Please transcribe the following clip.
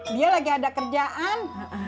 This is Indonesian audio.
dia lagi ada kerjaan